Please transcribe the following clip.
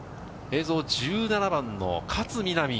映像、１７番の勝みなみ。